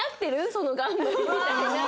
その頑張りみたいな。